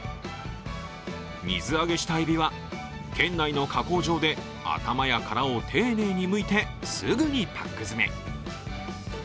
水揚げされたえびは県内の加工場で頭や殻を丁寧にむいてすぐにパック詰め。